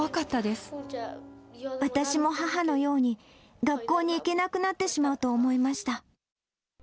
私も母のように、学校に行けなくなってしまうと思いました。